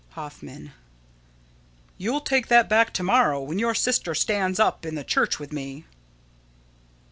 Hoffman: You'll take that back to morrow, when your sister stands up in the church with me.